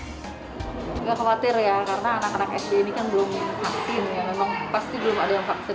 tidak khawatir ya karena anak anak sd ini kan belum vaksin ya memang pasti belum ada yang vaksin